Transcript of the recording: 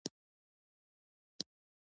جسمونه په کومو حالتونو کې تودوخه انتقالوي؟